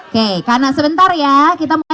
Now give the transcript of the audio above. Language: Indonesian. oke karena sebentar ya kita mulai